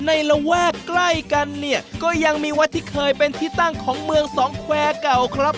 ระแวกใกล้กันเนี่ยก็ยังมีวัดที่เคยเป็นที่ตั้งของเมืองสองแควร์เก่าครับ